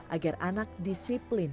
agar anak disiplin